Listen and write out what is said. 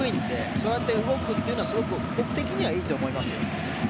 そうやって動くというのは僕的にはいいと思います。